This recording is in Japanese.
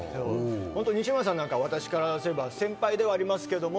西村さんなんか、私からすれば、先輩ではありますけど。